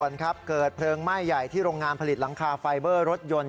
ครับเกิดเพลิงไหม้ใหญ่ที่โรงงานผลิตหลังคาไฟเบอร์รถยนต์